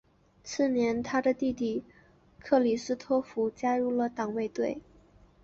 次年他的弟弟克里斯托福加入了党卫队。